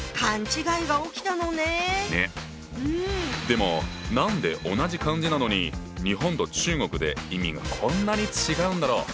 でも何で同じ漢字なのに日本と中国で意味がこんなに違うんだろう？